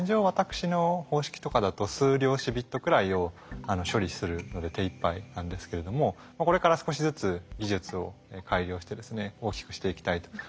私の方式とかだと数量子ビットくらいを処理するので手いっぱいなんですけれどもこれから少しずつ技術を改良してですね大きくしていきたいと。